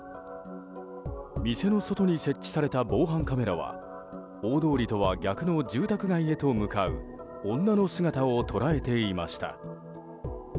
店の外に設置された防犯カメラは大通りとは逆の住宅街へと向かう女の姿を捉えていました。